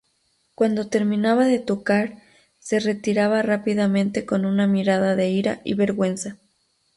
Cuando terminaba de tocar, se retiraba rápidamente con una mirada de ira y vergüenza.